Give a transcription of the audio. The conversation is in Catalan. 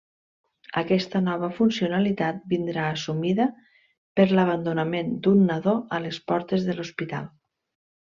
Aquesta nova funcionalitat vindrà assumida per l'abandonament d'un nadó a les portes de l'hospital.